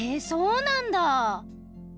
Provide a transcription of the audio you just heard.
そうなんだ！